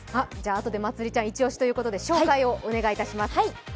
あとでまつりちゃん一押しということで紹介をお願いします。